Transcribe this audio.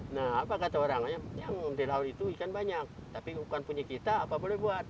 nah apa kata orang yang di laut itu ikan banyak tapi bukan punya kita apa boleh buat